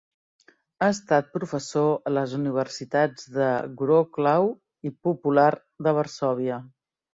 Ha estat professor a les universitats de Wroclaw i Popular de Varsòvia.